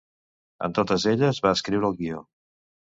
En totes elles va escriure el guió.